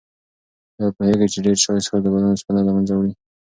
آیا پوهېږئ چې ډېر چای څښل د بدن اوسپنه له منځه وړي؟